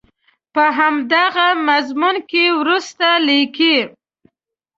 په همدغه مضمون کې وروسته لیکي.